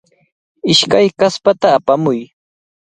Ishkay kaspata apamuy.